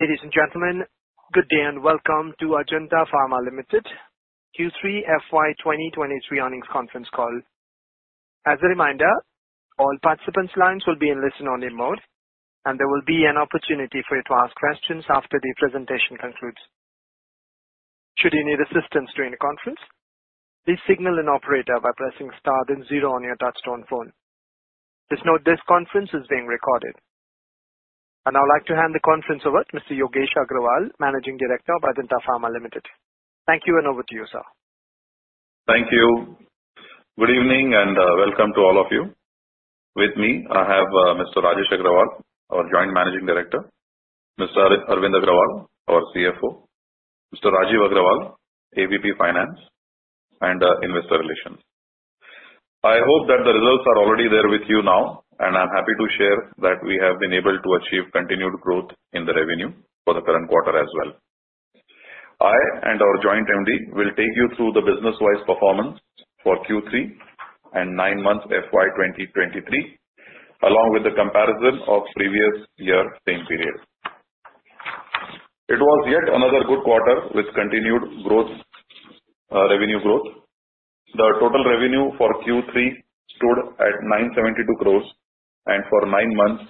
Ladies and gentlemen, good day and welcome to Ajanta Pharma Limited Q3 FY 2023 Earnings Conference Call. As a reminder, all participants' lines will be in listen only mode, and there will be an opportunity for you to ask questions after the presentation concludes. Should you need assistance during the conference, please signal an operator by pressing star then 0 on your touch-tone phone. Just note this conference is being recorded. I'd now like to hand the conference over to Mr. Yogesh Agrawal, Managing Director of Ajanta Pharma Limited. Thank you and over to you, sir. Thank you. Good evening and welcome to all of you. With me, I have Mr. Rajesh Agrawal, our Joint Managing Director, Mr. Arvind Agrawal, our CFO, Mr. Rajeev Agarwal, AVP Finance and Investor Relations. I hope that the results are already there with you now, and I'm happy to share that we have been able to achieve continued growth in the revenue for the current quarter as well. I and our Joint MD will take you through the business-wise performance for Q3 and nine months FY 2023, along with the comparison of previous year same period. It was yet another good quarter with continued revenue growth. The total revenue for Q3 stood at 972 crores and for nine months,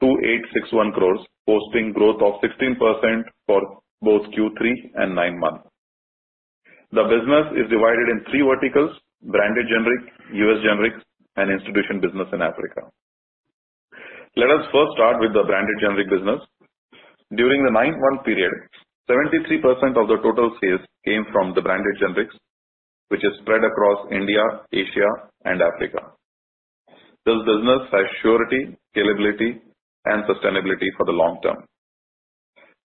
2,861 crores, posting growth of 16% for both Q3 and nine months. The business is divided in three verticals: branded generic, US generics, and institution business in Africa. Let us first start with the branded generic business. During the nine-month period, 73% of the total sales came from the branded generics, which is spread across India, Asia and Africa. This business has surety, scalability, and sustainability for the long term.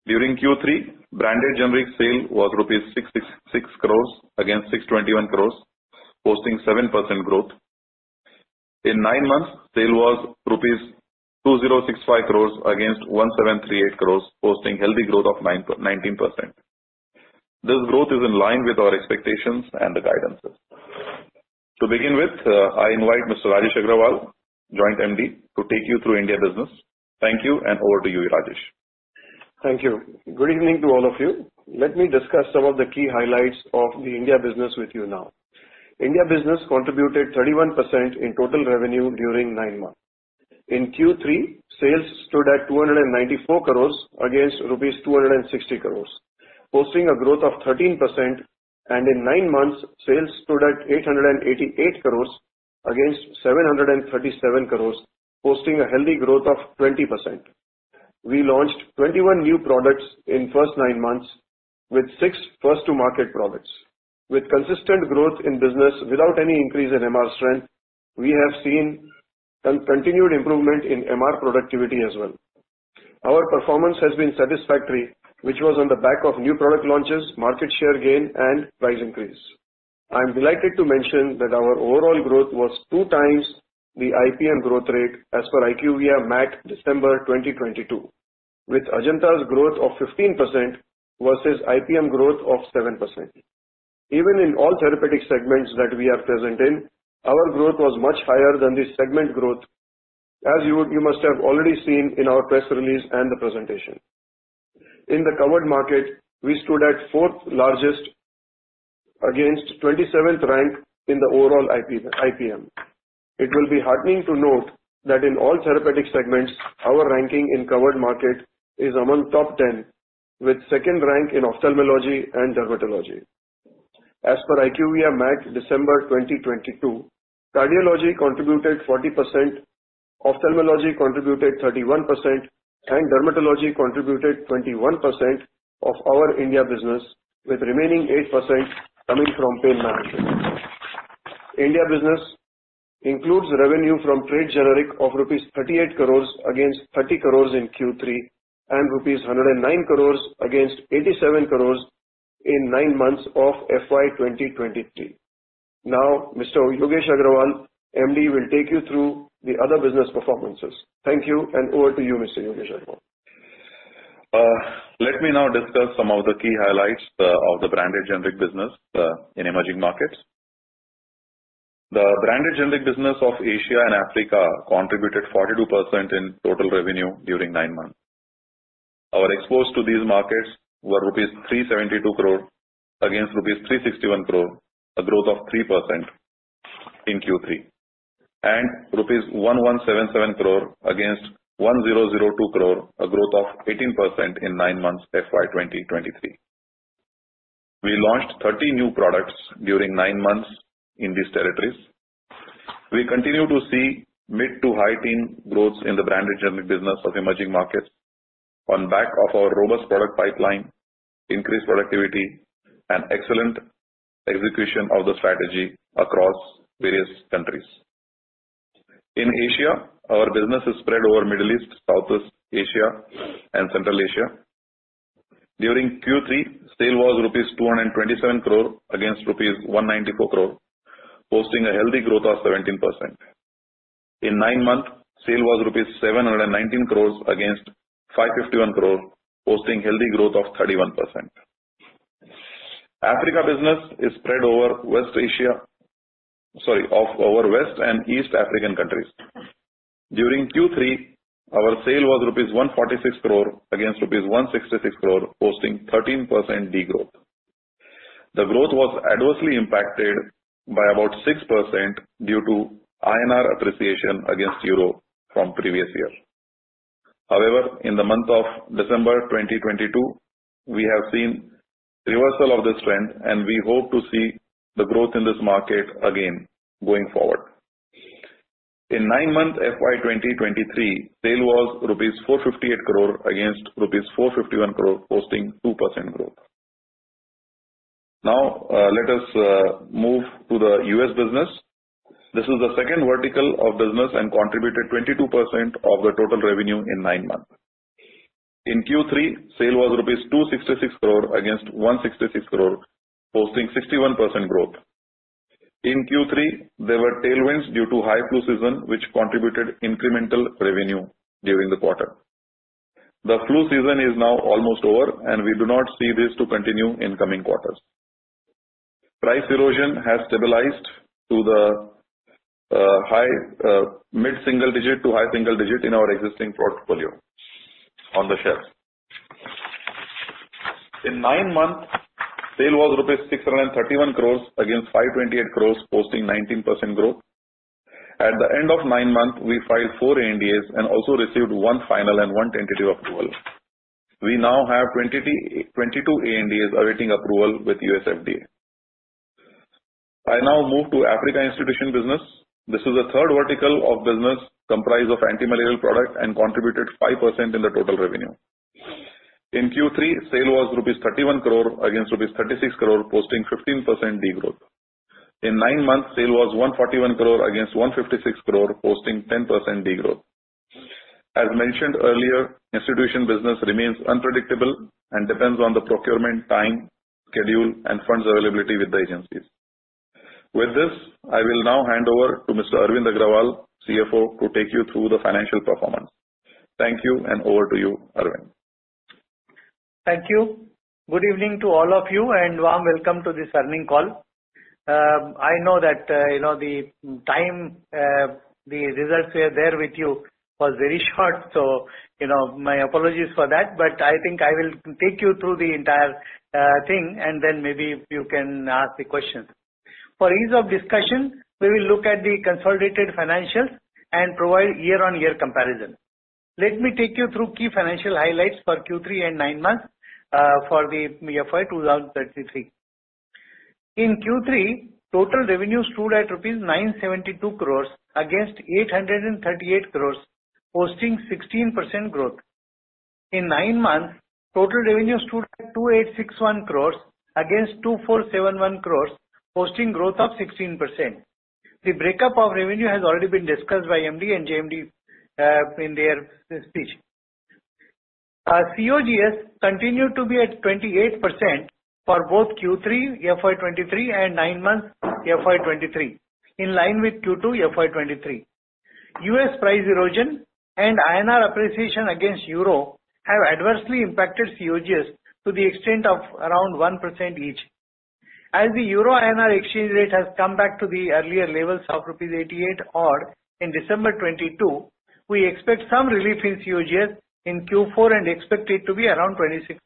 During Q3, branded generic sale was 666 crores rupees against 621 crores rupees, posting 7% growth. In 9 months, sale was 2,065 crores rupees against 1,738 crores rupees, posting healthy growth of 19%. This growth is in line with our expectations and the guidances. To begin with, I invite Mr. Rajesh Agrawal, Joint MD, to take you through India business. Thank you. Over to you, Rajesh. Thank you. Good evening to all of you. Let me discuss some of the key highlights of the India business with you now. India business contributed 31% in total revenue during 9 months. In Q3, sales stood at 294 crores against rupees 260 crores, posting a growth of 13%. In 9 months, sales stood at 888 crores against 737 crores, posting a healthy growth of 20%. We launched 21 new products in first 9 months with 6 first to market products. With consistent growth in business without any increase in MR strength, we have seen some continued improvement in MR productivity as well. Our performance has been satisfactory, which was on the back of new product launches, market share gain and price increase. I'm delighted to mention that our overall growth was 2 times the IPM growth rate as per IQVIA MAC December 2022, with Ajanta's growth of 15% versus IPM growth of 7%. Even in all therapeutic segments that we are present in, our growth was much higher than the segment growth as you must have already seen in our press release and the presentation. In the covered market, we stood at 4th largest against 27th rank in the overall IPM. It will be heartening to note that in all therapeutic segments, our ranking in covered market is among top 10, with 2nd rank in ophthalmology and dermatology. As per IQVIA MAC December 2022, cardiology contributed 40%, ophthalmology contributed 31% and dermatology contributed 21% of our India business, with remaining 8% coming from pain management. India business includes revenue from trade generic of rupees 38 crores against 30 crores in Q3 and rupees 109 crores against 87 crores in 9 months of FY 2023. Mr. Yogesh Agrawal, MD, will take you through the other business performances. Thank you and over to you, Mr. Yogesh Agrawal. Let me now discuss some of the key highlights of the Branded Generics business in emerging markets. The Branded Generics business of Asia and Africa contributed 42% in total revenue during 9 months. Our exposure to these markets were rupees 372 crore against rupees 361 crore, a growth of 3% in Q3, and rupees 1,177 crore against 1,002 crore, a growth of 18% in 9 months FY 2023. We launched 30 new products during 9 months in these territories. We continue to see mid to high teen growth in the Branded Generics business of emerging markets on back of our robust product pipeline, increased productivity and excellent execution of the strategy across various countries. In Asia, our business is spread over Middle East, Southeast Asia and Central Asia. During Q3, sale was rupees 227 crore against rupees 194 crore, posting a healthy growth of 17%. In nine months, sale was rupees 719 crore against 551 crore, posting healthy growth of 31%. Africa business is spread over West and East African countries. During Q3, our sale was rupees 146 crore against rupees 166 crore, posting 13% degrowth. The growth was adversely impacted by about 6% due to INR appreciation against EUR from previous year. In the month of December 2022, we have seen reversal of this trend, and we hope to see the growth in this market again going forward. In nine months FY 2023, sale was rupees 458 crore against rupees 451 crore, posting 2% growth. Let us move to the US business. This is the second vertical of business and contributed 22% of the total revenue in nine months. In Q3, sale was rupees 266 crore against 166 crore, posting 61% growth. In Q3, there were tailwinds due to high flu season which contributed incremental revenue during the quarter. The flu season is now almost over. We do not see this to continue in coming quarters. Price erosion has stabilized to the high mid-single digit to high single digit in our existing portfolio on the shares. In nine months, sale was rupees 631 crore against 528 crore, posting 19% growth. At the end of nine months, we filed four ANDAs and also received one final and one tentative approval. We now have 22 ANDAs awaiting approval with USFDA. I now move to Africa institution business. This is the third vertical of business comprised of anti-malarial product and contributed 5% in the total revenue. In Q3, sale was rupees 31 crore against rupees 36 crore, posting 15% degrowth. In 9 months, sale was 141 crore against 156 crore, posting 10% degrowth. As mentioned earlier, institution business remains unpredictable and depends on the procurement time, schedule, and funds availability with the agencies. With this, I will now hand over to Mr. Arvind Agrawal, CFO, to take you through the financial performance. Thank you. Over to you, Arvind. Thank you. Good evening to all of you, and warm welcome to this earning call. I know that, you know, the time, the results were there with you was very short, so, you know, my apologies for that. I think I will take you through the entire thing, and then maybe you can ask the questions. For ease of discussion, we will look at the consolidated financials and provide year-on-year comparison. Let me take you through key financial highlights for Q3 and 9 months for the FY 2023. In Q3, total revenue stood at 972 crores rupees against 838 crores, posting 16% growth. In 9 months, total revenue stood at 2,861 crores against 2,471 crores, posting growth of 16%. The breakup of revenue has already been discussed by MD and JMD in their speech. Our COGS continued to be at 28% for both Q3 FY23 and 9 months FY23, in line with Q2 FY23. U.S. price erosion and INR appreciation against Euro have adversely impacted COGS to the extent of around 1% each. As the Euro INR exchange rate has come back to the earlier levels of rupees 88 or in December 2022, we expect some relief in COGS in Q4 and expect it to be around 26%.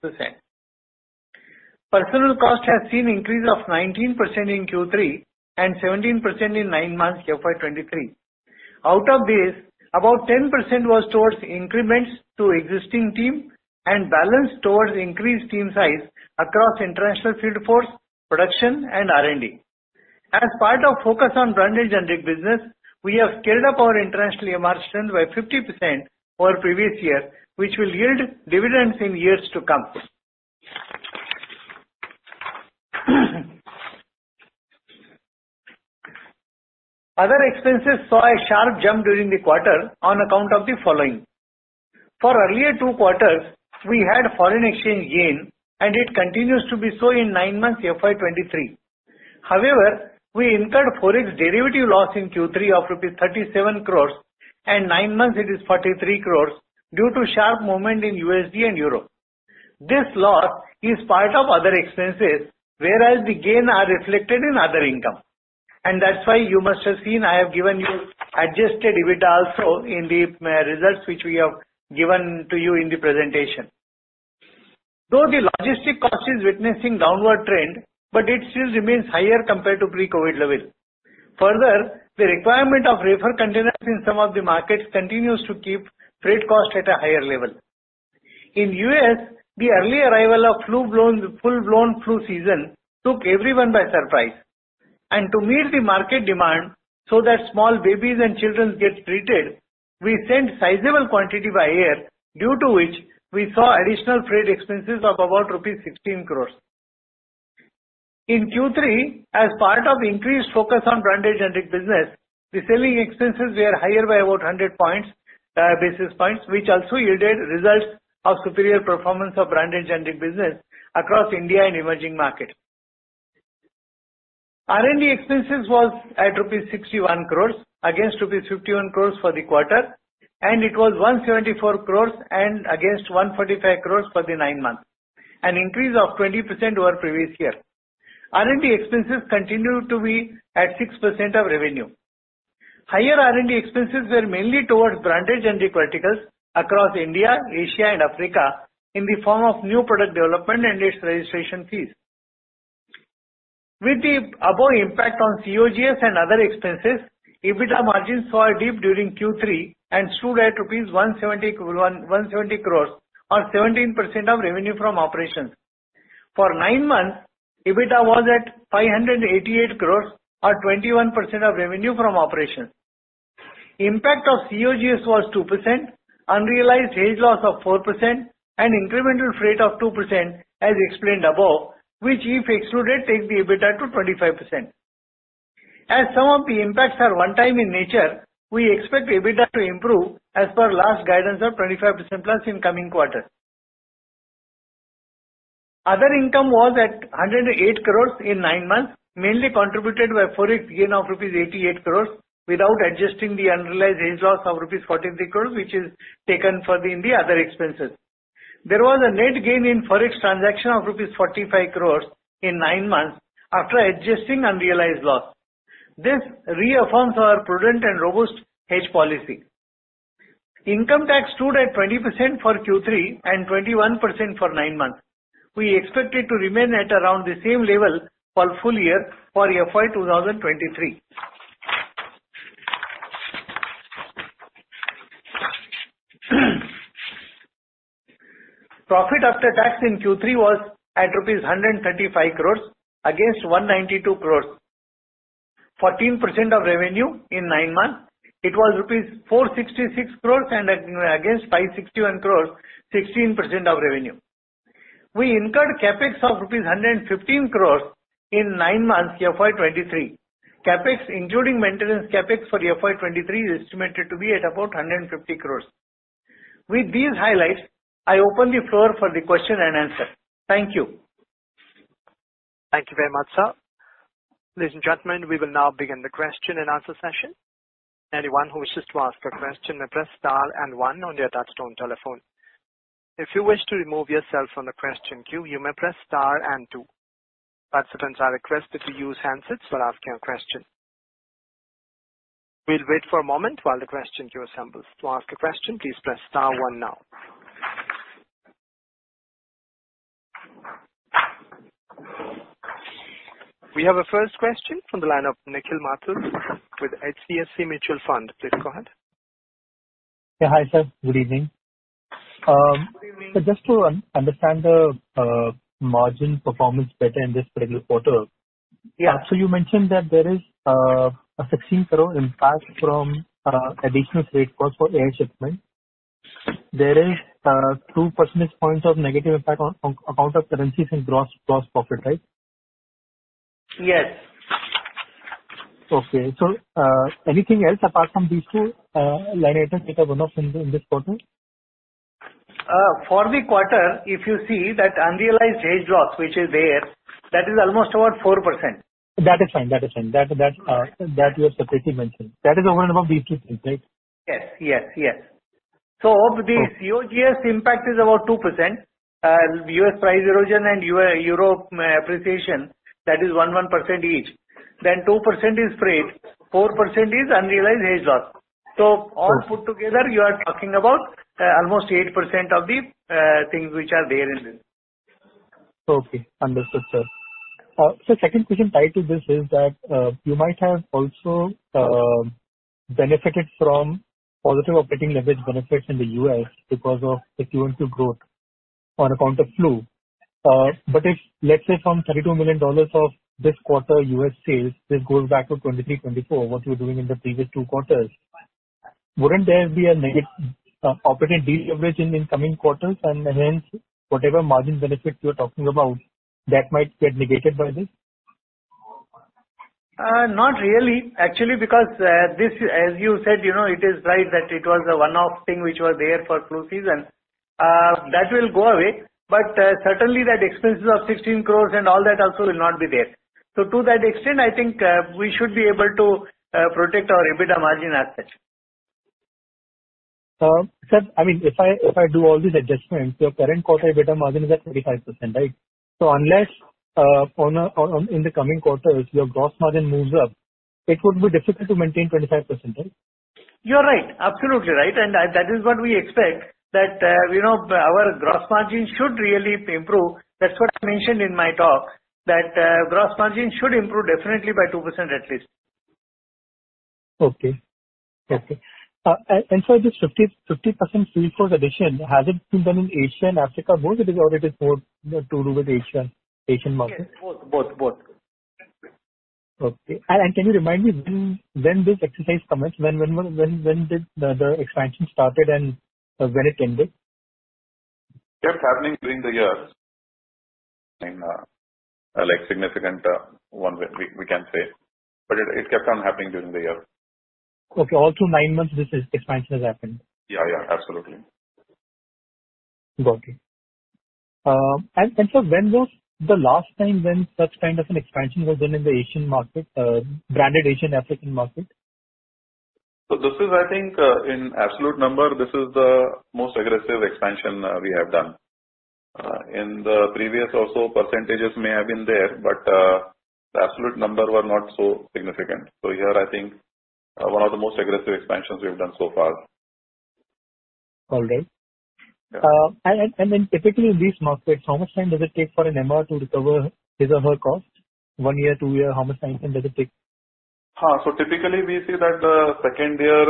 Personnel cost has seen increase of 19% in Q3 and 17% in 9 months FY23. Out of this, about 10% was towards increments to existing team and balance towards increased team size across international field force, production and R&D. As part of focus on branded generic business, we have scaled up our international emersion by 50% over previous year, which will yield dividends in years to come. Other expenses saw a sharp jump during the quarter on account of the following. For earlier 2 quarters, we had foreign exchange gain and it continues to be so in 9 months FY23. However, we incurred Forex derivative loss in Q3 of rupees 37 crores and 9 months it is 43 crores due to sharp movement in USD and EUR. This loss is part of other expenses, whereas the gain are reflected in other income. That's why you must have seen I have given you adjusted EBITDA also in the results which we have given to you in the presentation. Though the logistic cost is witnessing downward trend, but it still remains higher compared to pre-COVID levels. Further, the requirement of reefer containers in some of the markets continues to keep freight cost at a higher level. In U.S., the early arrival of full-blown flu season took everyone by surprise. To meet the market demand so that small babies and children get treated, we sent sizeable quantity by air, due to which we saw additional freight expenses of about rupees 16 crore. In Q3, as part of increased focus on branded generics business, the selling expenses were higher by about 100 basis points, which also yielded results of superior performance of branded generics business across India and emerging markets. R&D expenses were at rupees 61 crores against rupees 51 crores for the quarter, and it was 174 crores against 145 crores for the 9 months, an increase of 20% over previous year. R&D expenses continued to be at 6% of revenue. Higher R&D expenses were mainly towards branded generic verticals across India, Asia and Africa in the form of new product development and its registration fees. With the above impact on COGS and other expenses, EBITDA margins saw a dip during Q3 and stood at rupees 170 crores or 17% of revenue from operations. For nine months, EBITDA was at 588 crores or 21% of revenue from operations. Impact of COGS was 2%, unrealized hedge loss of 4% and incremental freight of 2% as explained above, which if excluded, take the EBITDA to 25%. As some of the impacts are one time in nature, we expect the EBITDA to improve as per last guidance of 25%+ in coming quarters. Other income was at 108 crores in nine months, mainly contributed by Forex gain of rupees 88 crores without adjusting the unrealized hedge loss of rupees 43 crores, which is taken further in the other expenses. There was a net gain in Forex transaction of rupees 45 crores in nine months after adjusting unrealized loss. This reaffirms our prudent and robust hedge policy. Income tax stood at 20% for Q3 and 21% for 9 months. We expect it to remain at around the same level for full year for FY 2023. Profit after tax in Q3 was at rupees 135 crores against 192 crores, 14% of revenue in nine months. It was rupees 466 crores against 561 crores, 16% of revenue. We incurred CapEx of rupees 115 crores in 9 months FY 2023. CapEx, including maintenance CapEx for FY 2023, is estimated to be at about 150 crores. With these highlights, I open the floor for the question and answer. Thank you. Thank you very much, sir. Ladies and gentlemen, we will now begin the question and answer session. Anyone who wishes to ask a question may press star and one on your touchtone telephone. If you wish to remove yourself from the question queue, you may press star and two. Participants are requested to use handsets for asking a question. We will wait for a moment while the question queue assembles. To ask a question, please press star one now. We have a first question from the line of Nikhil Mathur with HDFC Mutual Fund. Please go ahead. Yeah. Hi, sir. Good evening. Good evening. Just to understand the margin performance better in this particular quarter. Yeah. You mentioned that there is a 16 crore impact from additional freight cost for air shipment. There is 2 percentage points of negative impact on account of currencies and gross profit, right? Yes. Okay. Anything else apart from these 2 line items which are one-off in this quarter? For the quarter, if you see that unrealized hedge loss which is there, that is almost about 4%. That is fine. That is fine. That you have correctly mentioned. That is one of these 2 things, right? Yes. Yes. Yes. Okay. Of the COGS impact is about 2%. US price erosion and Europe appreciation, that is 1% each. 2% is freight, 4% is unrealized hedge loss. Sure. all put together, you are talking about, almost 8% of the, things which are there in this. Okay. Understood, sir. Second question tied to this is that you might have also benefited from positive operating leverage benefits in the U.S. because of the Q2 growth on account of flu. If let's say some $32 million of this quarter U.S. sales, this goes back to 2023, 2024, what you were doing in the previous two quarters, wouldn't there be an operating deleverage in incoming quarters and hence whatever margin benefits you're talking about that might get negated by this? Not really. Actually because, as you said, you know, it is right that it was a one-off thing which was there for flu season. That will go away. But certainly that expenses of 16 crores and all that also will not be there. So to that extent, I think, we should be able to protect our EBITDA margin as such. Sir, I mean, if I do all these adjustments, your current quarter EBITDA margin is at 25%, right? Unless, in the coming quarters, your gross margin moves up, it would be difficult to maintain 25%, right? You're right. Absolutely right. That is what we expect that, you know, our gross margin should really improve. That's what I mentioned in my talk that, gross margin should improve definitely by 2% at least. Okay. Okay. This 50% seat post addition, has it been done in Asia and Africa both? Or it is more to do with Asia, Asian markets? Yes, both. Both. Both. Can you remind me when this exercise commenced? When did the expansion started and when it ended? Kept happening during the year. I mean, like significant, one we can say, but it kept on happening during the year. Okay. All through 9 months this is. Expansion has happened. Yeah, yeah, absolutely. Got it. When was the last time when such kind of an expansion was done in the Asian market, branded Asian African market? This is I think, in absolute number, this is the most aggressive expansion we have done. In the previous also, percentages may have been there, but the absolute number were not so significant. Here, I think, one of the most aggressive expansions we've done so far. All right. Yeah. Typically these markets, how much time does it take for an MR to recover his or her cost? One year, two year, how much time then does it take? Typically we see that second year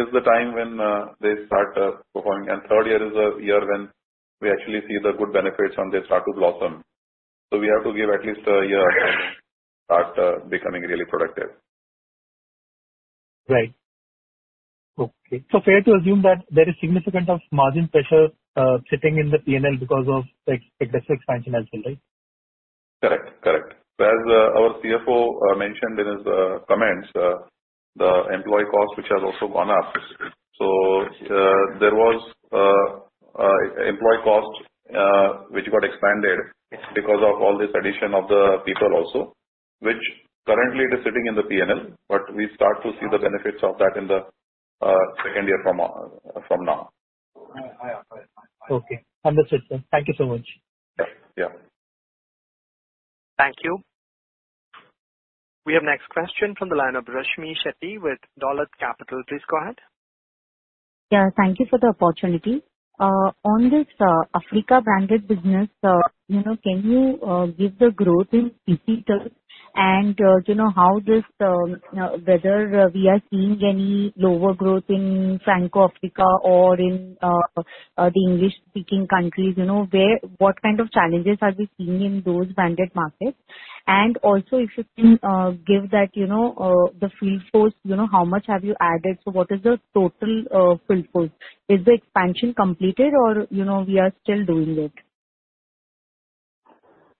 is the time when they start performing, and third year is a year when we actually see the good benefits and they start to blossom. We have to give at least one year start becoming really productive. Right. Okay. Fair to assume that there is significant of margin pressure, sitting in the PNL because of excess expansion as well, right? Correct. As our CFO mentioned in his comments, the employee cost, which has also gone up. There was employee cost which got expanded because of all this addition of the people also, which currently it is sitting in the P&L, but we start to see the benefits of that in the second year from now. Okay. Understood, sir. Thank you so much. Yeah. Yeah. Thank you. We have next question from the line of Rashmmi Shetty with Dolat Capital. Please go ahead. Yeah, thank you for the opportunity. On this Africa branded business, you know, can you give the growth in people and, you know, how this whether we are seeing any lower growth in Franco Africa or in the English-speaking countries, you know, what kind of challenges are we seeing in those branded markets? Also if you can give that, you know, the field force, you know, how much have you added, so what is the total field force? Is the expansion completed or, you know, we are still doing it?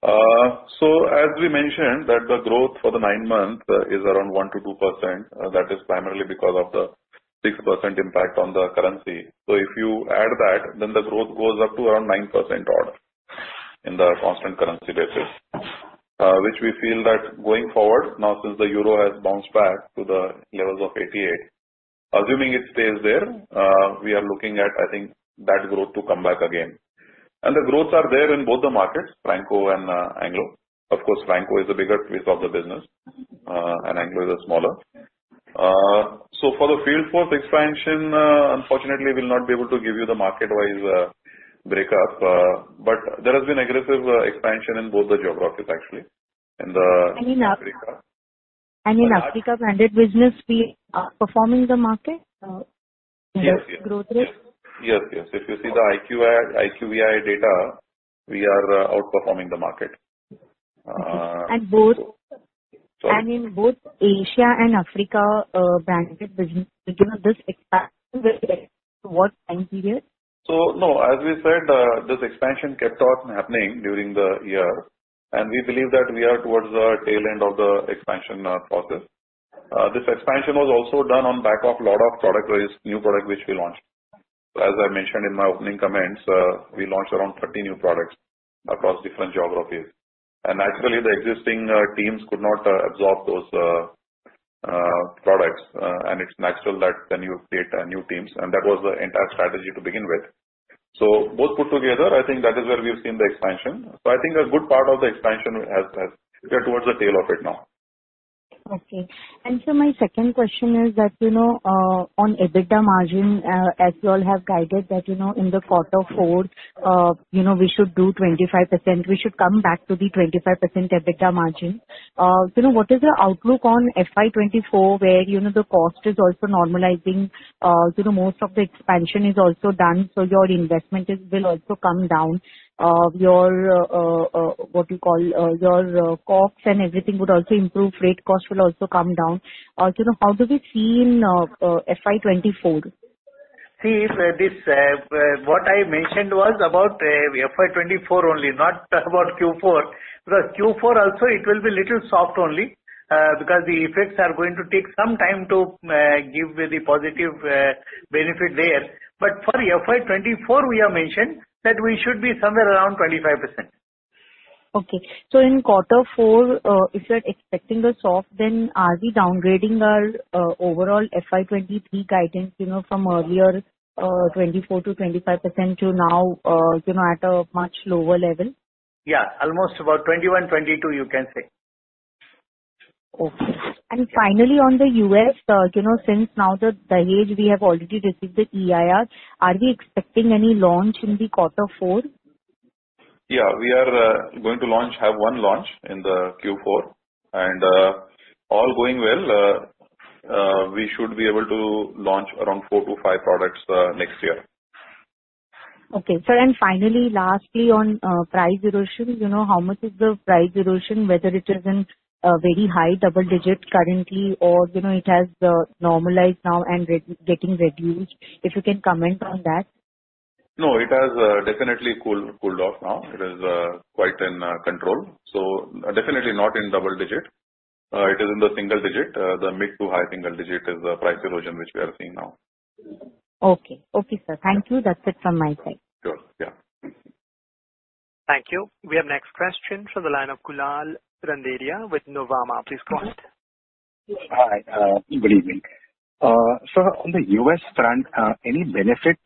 As we mentioned that the growth for the nine months is around 1%-2%. That is primarily because of the 6% impact on the currency. If you add that, then the growth goes up to around 9% odd in the constant currency basis. Which we feel that going forward, now since the EUR has bounced back to the levels of 88, assuming it stays there, we are looking at, I think, that growth to come back again. The growths are there in both the markets, Franco and Anglo. Of course, Franco is the bigger piece of the business, and Anglo is the smaller. For the field force expansion, unfortunately we'll not be able to give you the market-wise breakup. There has been aggressive expansion in both the geographies actually. And in Af- Africa. In Africa branded business we are performing the market growth rate? Yes, yes. If you see the IQVIA data, we are outperforming the market. both. Sorry. In both Asia and Africa, branded business, you know, this expansion will take what time period? No, as we said, this expansion kept on happening during the year. We believe that we are towards the tail end of the expansion process. This expansion was also done on back of lot of product release, new product which we launched. As I mentioned in my opening comments, we launched around 30 new products across different geographies. Naturally, the existing teams could not absorb those products. It's natural that then you create new teams, and that was the entire strategy to begin with. Both put together, I think that is where we have seen the expansion. I think a good part of the expansion has... We are towards the tail of it now. Okay. Sir, my second question is that, you know, on EBITDA margin, as you all have guided that, you know, in the quarter four, you know, we should do 25%. We should come back to the 25% EBITDA margin. So now what is the outlook on FY 2024, where, you know, the cost is also normalizing, you know, most of the expansion is also done, so your investment will also come down. Your, what you call, your costs and everything would also improve. Rate cost will also come down. So now how do we see in FY 2024? See, this, what I mentioned was about FY 2024 only, not about Q4. The Q4 also it will be little soft only, because the effects are going to take some time to give the positive benefit there. For FY 2024 we have mentioned that we should be somewhere around 25%. In quarter four, if you're expecting a soft, then are we downgrading our overall FY 2023 guidance, you know, from earlier 24%-25% to now, you know, at a much lower level? Yeah. Almost about 21, 22, you can say. Okay. Finally, on the U.S., you know, since now the Dahej we have already received the EIR, are we expecting any launch in the quarter four? Yeah. We are going to launch, have 1 launch in the Q4. All going well, we should be able to launch around 4-5 products, next year. Okay. Sir, finally, lastly, on price erosion, you know, how much is the price erosion, whether it is in very high double digit currently or, you know, it has normalized now and re-getting reduced? If you can comment on that. No, it has definitely cooled off now. It is quite in control. Definitely not in double digit. It is in the single digit. The mid to high single digit is the price erosion which we are seeing now. Okay. Okay, sir. Thank you. That's it from my side. Sure. Yeah. Mm-hmm. Thank you. We have next question from the line of Kunal Randeria with Nuvama. Please go ahead. Hi. good evening. sir, on the U.S. front, any benefit,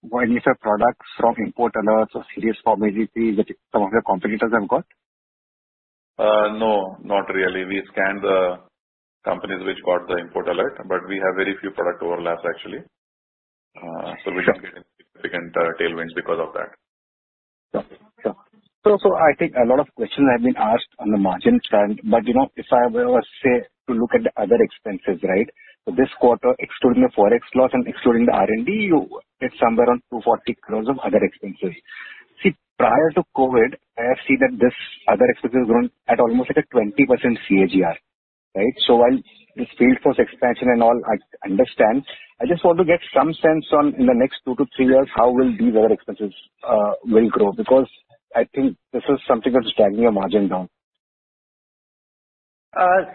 when these are products from import alerts or serious formality that some of your competitors have got? No, not really. We scanned the companies which got the import alert, but we have very few product overlaps actually. We can get significant tailwinds because of that. Sure. Sure. I think a lot of questions have been asked on the margin front, but, you know, if I ever say to look at the other expenses, right? This quarter, excluding the Forex loss and excluding the R&D, you it's somewhere around 240 crores of other expenses. Prior to COVID, I have seen that this other expenses grown at almost like a 20% CAGR, right? While this field force expansion and all I understand, I just want to get some sense on in the next 2 to 3 years, how will these other expenses will grow? I think this is something that is dragging your margin down.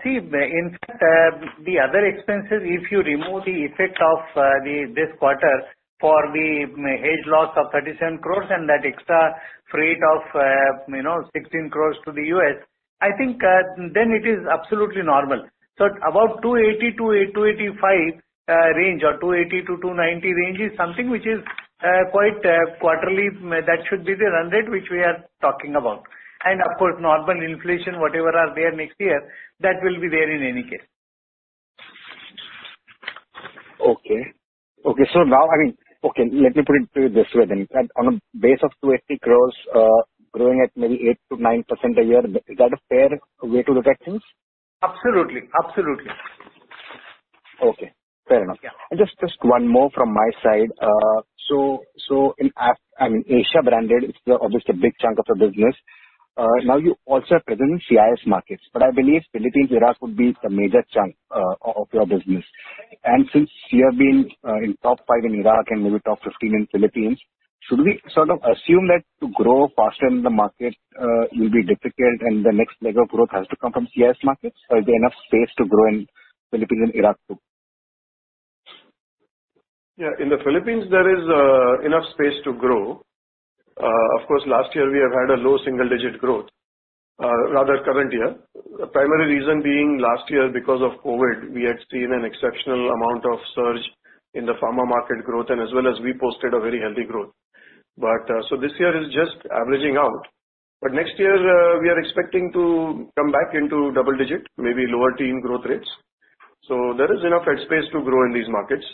See, in fact, the other expenses, if you remove the effect of the this quarter for the hedge loss of 37 crores and that extra freight of, you know, 16 crores to the US, I think, then it is absolutely normal. About 280 to 285 range or 280 to 290 range is something which is quite quarterly. That should be the run rate which we are talking about. Of course, normal inflation, whatever are there next year, that will be there in any case. Okay. Okay. Now, I mean, okay, let me put it to you this way then. On a base of 280 crores, growing at maybe 8%-9% a year, is that a fair way to look at things? Absolutely. Absolutely. Okay. Fair enough. Yeah. Just one more from my side. I mean, Asia branded is obviously a big chunk of your business. Now you also are present in CIS markets, but I believe Philippines, Iraq would be the major chunk of your business. Since you have been in top five in Iraq and maybe top 15 in Philippines, should we sort of assume that to grow faster in the market will be difficult and the next leg of growth has to come from CIS markets? Or is there enough space to grow in Philippines and Iraq too? Yeah. In the Philippines, there is enough space to grow. Of course, last year we have had a low single digit growth. Rather current year. Primary reason being last year, because of COVID, we had seen an exceptional amount of surge in the pharma market growth and as well as we posted a very healthy growth. This year is just averaging out. Next year, we are expecting to come back into double digit, maybe lower teen growth rates. There is enough head space to grow in these markets.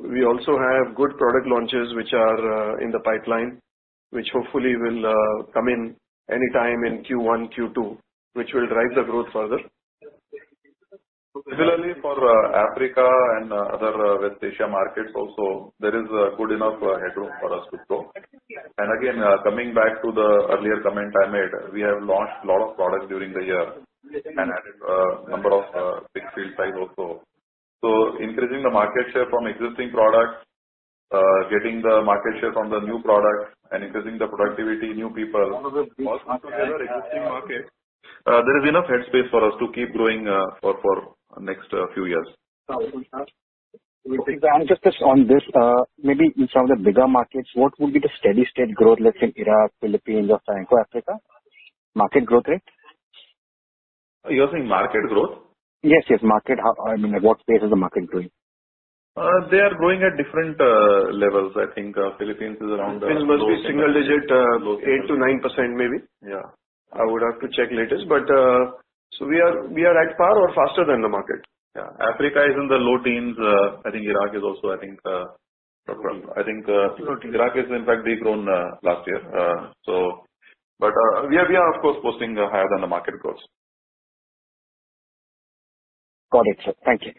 We also have good product launches which are in the pipeline, which hopefully will come in any time in Q1, Q2, which will drive the growth further. Similarly for Africa and other West Asia markets also, there is good enough headroom for us to grow. Again, coming back to the earlier comment I made, we have launched a lot of products during the year and added a number of big field size also. Increasing the market share from existing products, getting the market share from the new products and increasing the productivity, new people existing market, there is enough head space for us to keep growing for next few years. Just on this, maybe in some of the bigger markets, what would be the steady state growth, let's say in Iraq, Philippines or Sub-Saharan Africa? Market growth rate. You're saying market growth? Yes, market. I mean, at what pace is the market growing? they are growing at different levels. I think Philippines is Philippines must be single digit, 8%-9% maybe. Yeah. I would have to check latest, but, so we are at par or faster than the market. Yeah. Africa is in the low teens. I think Iraq is in fact de-grown last year. We are of course posting higher than the market growth. Got it, sir. Thank you.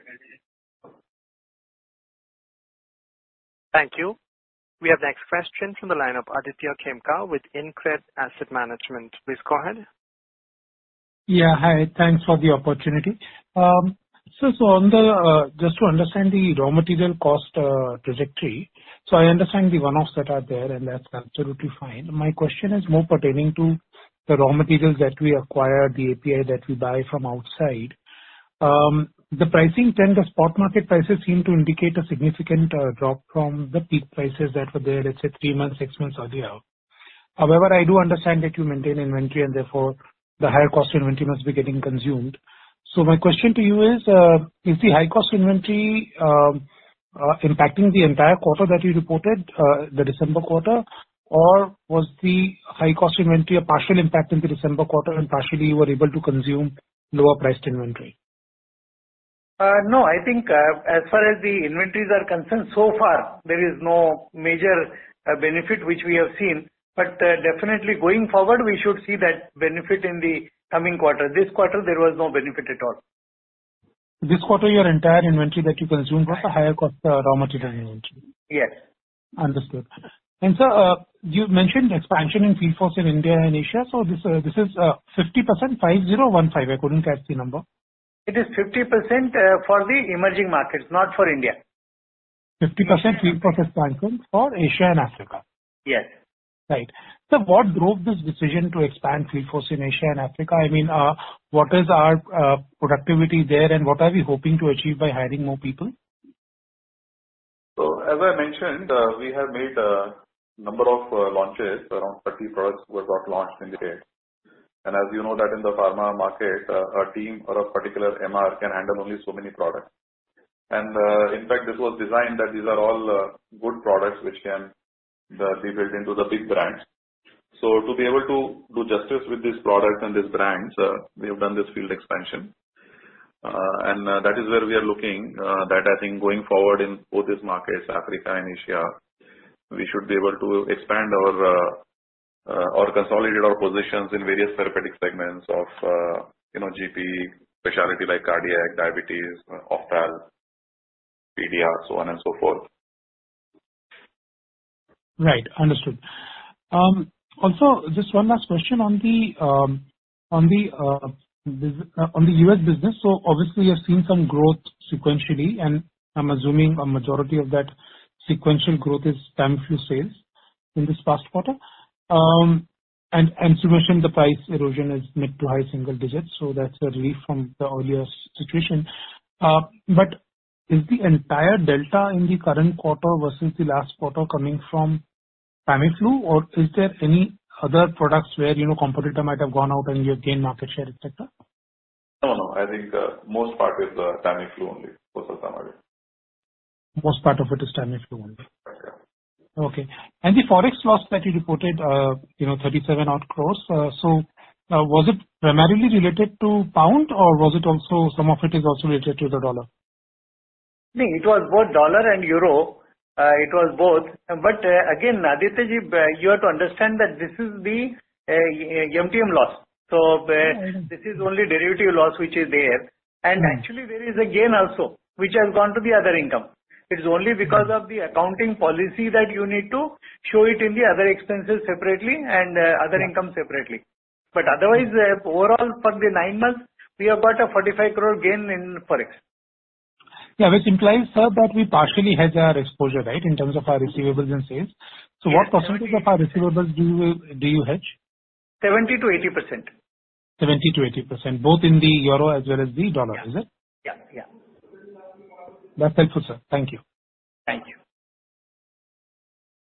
Thank you. We have next question from the line of Aditya Khemka with InCred Asset Management. Please go ahead. Yeah. Hi. Thanks for the opportunity. On the just to understand the raw material cost trajectory. I understand the one-offs that are there, and that's absolutely fine. My question is more pertaining to the raw materials that we acquire, the API that we buy from outside. The pricing trend, the spot market prices seem to indicate a significant drop from the peak prices that were there, let's say three months, six months earlier. However, I do understand that you maintain inventory and therefore the higher cost inventory must be getting consumed. My question to you is the high cost inventory impacting the entire quarter that you reported, the December quarter? Or was the high cost inventory a partial impact in the December quarter and partially you were able to consume lower priced inventory? no, I think, as far as the inventories are concerned, so far there is no major benefit which we have seen. Definitely going forward, we should see that benefit in the coming quarter. This quarter there was no benefit at all. This quarter your entire inventory that you consumed was a higher cost, raw material inventory? Yes. Understood. Sir, you mentioned expansion in field force in India and Asia. This is 50%, 5,015. I couldn't catch the number. It is 50%, for the emerging markets, not for India. 50% field force expansion for Asia and Africa. Yes. Right. What drove this decision to expand field force in Asia and Africa? I mean, what is our productivity there and what are we hoping to achieve by hiring more people? As I mentioned, we have made a number of launches. Around 30 products were got launched in the year. As you know that in the pharma market, a team or a particular MR can handle only so many products. In fact, this was designed that these are all good products which can be built into the big brands. To be able to do justice with these products and these brands, we have done this field expansion. That is where we are looking that I think going forward in both these markets, Africa and Asia, we should be able to expand our or consolidate our positions in various therapeutic segments of, you know, GP, specialty like cardiac, diabetes, ophthalm, FDC, so on and so forth. Right. Understood. Also, just one last question on the U.S. business. Obviously, you're seeing some growth sequentially, and I'm assuming a majority of that sequential growth is Tamiflu sales in this past quarter. Summation, the price erosion is mid to high single digits, so that's a relief from the earlier situation. Is the entire delta in the current quarter versus the last quarter coming from Tamiflu or is there any other products where, you know, competitor might have gone out and you have gained market share, et cetera? No, no. I think, most part is, Tamiflu only. Most part of it is Tamiflu only. Yeah. Okay. The Forex loss that you reported, you know, 37 odd crore. Was it primarily related to pound or was it also some of it is also related to the dollar? No, it was both dollar and euro. It was both. Again, Aditya ji, you have to understand that this is the MTM loss. Mm-hmm. This is only derivative loss which is there. Mm-hmm. Actually there is a gain also, which has gone to the other income. It is only because of the accounting policy that you need to show it in the other expenses separately and other income separately. Otherwise, overall for the 9 months, we have got a 45 crore gain in Forex. Yeah. Which implies, sir, that we partially hedge our exposure, right, in terms of our receivables and sales. Yes. What % of our receivables do you hedge? 70%-80%. 70%-80%, both in the euro as well as the dollar, is it? Yeah. Yeah, yeah. That's helpful, sir. Thank you. Thank you.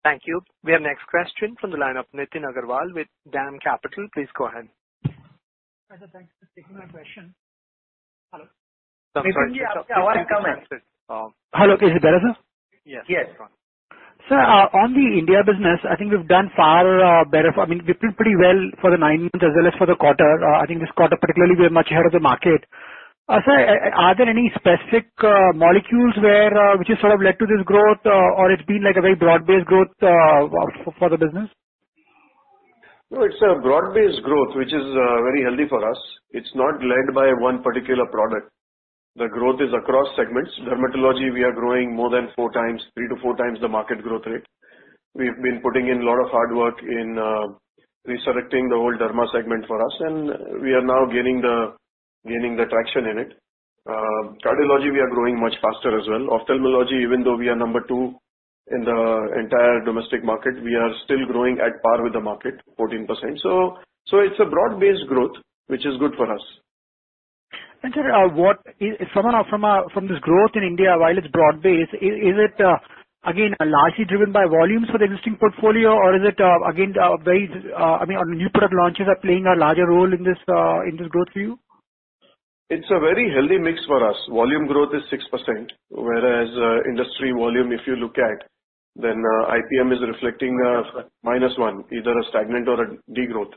Thank you. We have next question from the line of Nitin Agarwal with DAM Capital. Please go ahead. Hi, sir. Thanks for taking my question. Hello? Hello. Is it better, sir? Yes. Yes. Go on. Sir, on the India business, I think we've done far better. I mean, we've done pretty well for the nine months as well as for the quarter. I think this quarter particularly we are much ahead of the market. Sir, are there any specific molecules where which has sort of led to this growth, or it's been like a very broad-based growth for the business? No, it's a broad-based growth, which is very healthy for us. It's not led by one particular product. The growth is across segments. Dermatology, we are growing more than four times, three to four times the market growth rate. We've been putting in a lot of hard work in resurrecting the whole derma segment for us, and we are now gaining the traction in it. Cardiology, we are growing much faster as well. Ophthalmology, even though we are number two in the entire domestic market, we are still growing at par with the market, 14%. It's a broad-based growth, which is good for us. Sir, From this growth in India, while it's broad-based, is it again largely driven by volumes for the existing portfolio or is it again very, I mean, on new product launches are playing a larger role in this, in this growth for you? It's a very healthy mix for us. Volume growth is 6%, whereas industry volume, if you look at, IPM is reflecting -1, either a stagnant or a degrowth.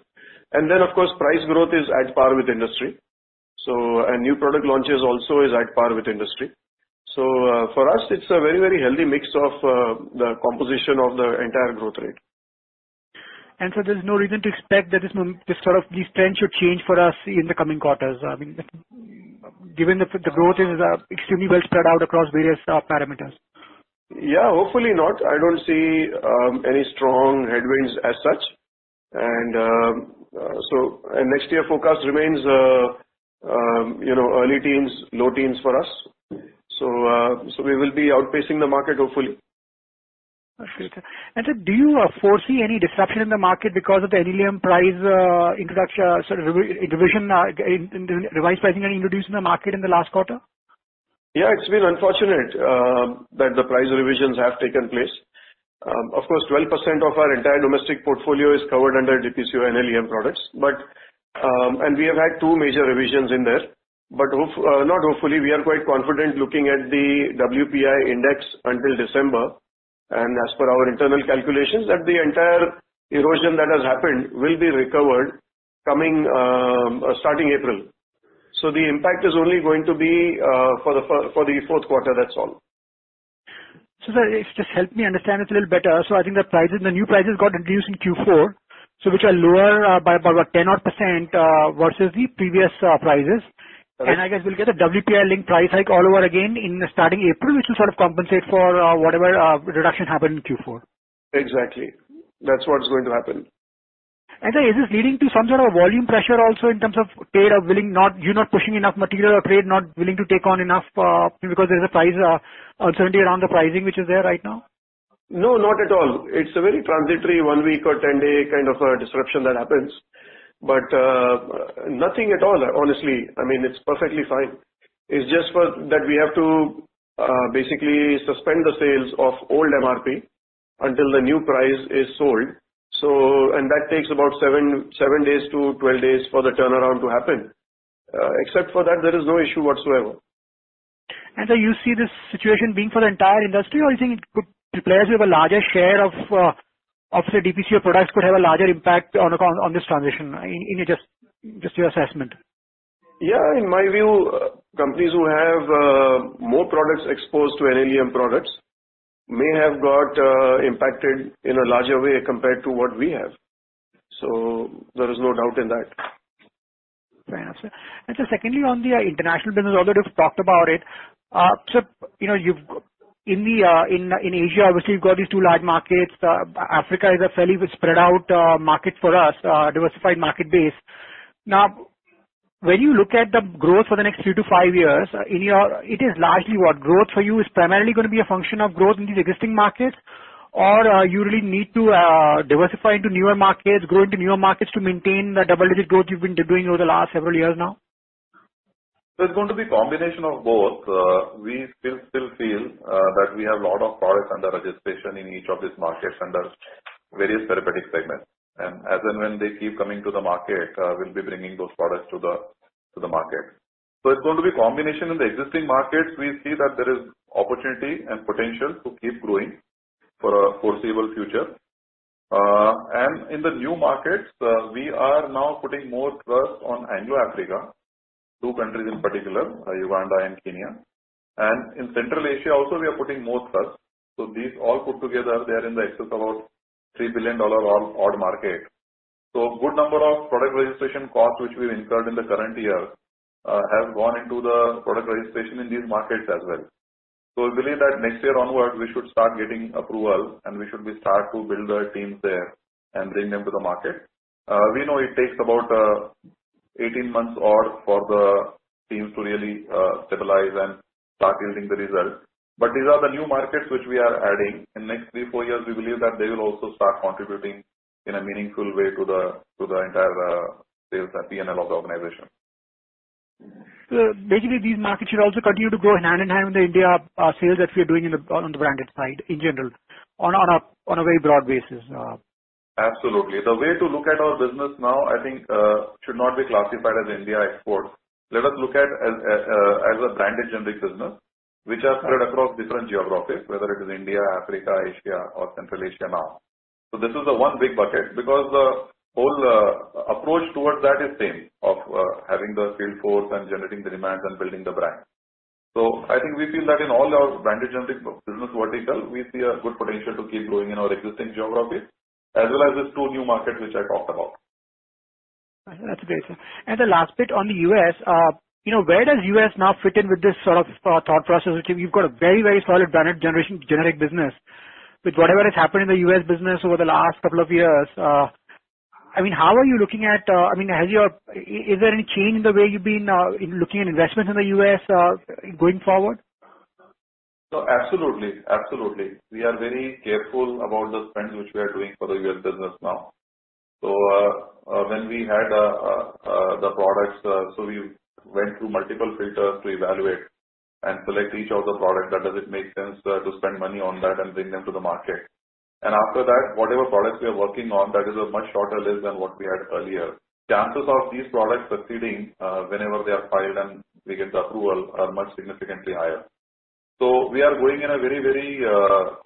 Of course, price growth is at par with industry. New product launches also is at par with industry. For us it's a very, very healthy mix of the composition of the entire growth rate. There's no reason to expect that this sort of this trend should change for us in the coming quarters. I mean, given the growth is extremely well spread out across various parameters. Yeah. Hopefully not. I don't see any strong headwinds as such. Next year forecast remains, you know, early teens, low teens for us. We will be outpacing the market hopefully. Okay. sir, do you foresee any disruption in the market because of the NLEM price, introduction, sorry, revision pricing introduced in the market in the last quarter? Yeah, it's been unfortunate that the price revisions have taken place. Of course, 12% of our entire domestic portfolio is covered under DPCO and NLEM products. And we have had 2 major revisions in there. Not hopefully, we are quite confident looking at the WPI index until December, and as per our internal calculations, that the entire erosion that has happened will be recovered coming starting April. The impact is only going to be for the 4th quarter. That's all. Sir, if you just help me understand it a little better. I think the prices, the new prices got introduced in Q4, so which are lower by about 10 odd %, versus the previous prices. Correct. I guess we'll get a WPI link price hike all over again in starting April, which will sort of compensate for whatever reduction happened in Q4. Exactly. That's what's going to happen. Is this leading to some sort of volume pressure also in terms of, you're not pushing enough material or trade not willing to take on enough because there's a price uncertainty around the pricing which is there right now? No, not at all. It's a very transitory one-week or 10-day kind of a disruption that happens. Nothing at all, honestly. I mean, it's perfectly fine. It's just for that we have to basically suspend the sales of old MRP until the new price is sold, so and that takes about 7-12 days for the turnaround to happen. Except for that, there is no issue whatsoever. You see this situation being for the entire industry, or you think it could be players who have a larger share of, obviously DPCO products could have a larger impact on this transition? Just your assessment. Yeah. In my view, companies who have more products exposed to NLEM products may have got impacted in a larger way compared to what we have. There is no doubt in that. Right. Sir, secondly, on the international business, although you've talked about it, so you know, in Asia, obviously you've got these two large markets. Africa is a fairly spread out market for us, diversified market base. Now, when you look at the growth for the next three to five years in your... It is largely what growth for you is primarily gonna be a function of growth in these existing markets or, you really need to diversify into newer markets, grow into newer markets to maintain the double-digit growth you've been doing over the last several years now? There's going to be combination of both. We still feel that we have a lot of products under registration in each of these markets under various therapeutic segments. As and when they keep coming to the market, we'll be bringing those products to the market. It's going to be combination. In the existing markets, we see that there is opportunity and potential to keep growing for a foreseeable future. In the new markets, we are now putting more trust on Anglo Africa, two countries in particular, Uganda and Kenya. In Central Asia also we are putting more trust. These all put together, they are in the excess of about $3 billion odd market. A good number of product registration costs which we've incurred in the current year have gone into the product registration in these markets as well. We believe that next year onwards we should start getting approval, and we should be start to build our teams there and bring them to the market. We know it takes about 18 months odd for the teams to really stabilize and start yielding the results. These are the new markets which we are adding. Next three, four years, we believe that they will also start contributing in a meaningful way to the, to the entire sales and P&L of the organization. Basically these markets should also continue to grow hand in hand with the India sales that we are doing on the branded side in general on a very broad basis. Absolutely. The way to look at our business now, I think, should not be classified as India export. Let us look at as a Branded Generics business which are spread across different geographies, whether it is India, Africa, Asia or Central Asia now. This is the one big bucket, because the whole approach towards that is same of having the sales force and generating the demand and building the brand. I think we feel that in all our Branded Generics business vertical, we see a good potential to keep growing in our existing geographies as well as these two new markets which I talked about. That's great. The last bit on the US, you know, where does US now fit in with this sort of, thought process? You've got a very, very solid branded generation generic business. With whatever has happened in the US business over the last couple of years, I mean, how are you looking at? I mean, Is there any change in the way you've been, looking at investments in the US, going forward? Absolutely. Absolutely. We are very careful about the spends which we are doing for the US business now. When we had the products, so we went through multiple filters to evaluate and select each of the products. That does it make sense to spend money on that and bring them to the market. After that, whatever products we are working on, that is a much shorter list than what we had earlier. Chances of these products succeeding whenever they are filed and we get the approval are much significantly higher. We are going in a very, very